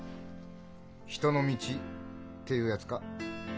「人の道」っていうやつか？